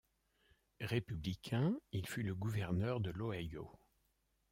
Républicain, il fut le gouverneur de l'Ohio.